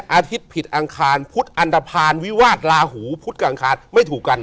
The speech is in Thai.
อาทิตย์ผิดอังคารพุธอันตภัณฑ์วิวาสลาหูพุธกับอังคารไม่ถูกกัน